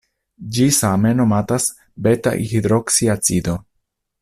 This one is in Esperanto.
Ĝi same nomatas beta-hidroksiacido.